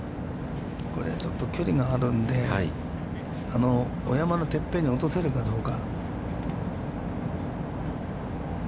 これ、ちょっと距離があるんで、お山のてっぺんに落とせるかどうか。